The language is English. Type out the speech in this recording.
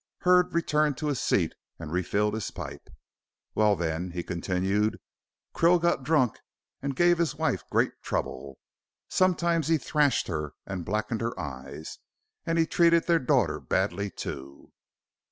Hurd returned to his seat and re filled his pipe. "Well, then," he continued, "Krill got drunk and gave his wife great trouble. Sometimes he thrashed her and blacked her eyes, and he treated their daughter badly too."